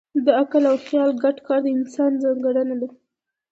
د عقل او خیال ګډ کار د انسان ځانګړنه ده.